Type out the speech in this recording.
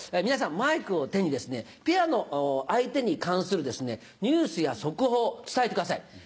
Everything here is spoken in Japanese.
皆さんマイクを手にペアの相手に関するニュースや速報を伝えてください。